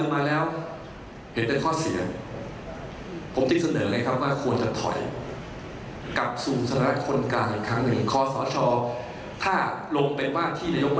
ซึ่งทำให้เข้าสู่การกลับสามปก